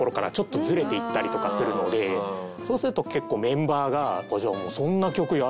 そうすると結構メンバーがじゃあ。